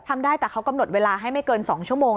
ทำได้แต่เขากำหนดเวลาให้ไม่เกิน๒ชั่วโมง